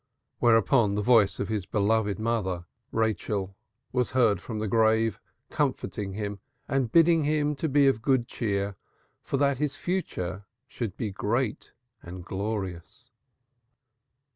Thereupon the voice of his beloved mother Rachel was heard from the grave, comforting him and bidding him be of good cheer, for that his future should be great and glorious.